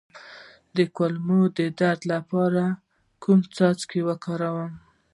د کولمو د درد لپاره کوم څاڅکي وکاروم؟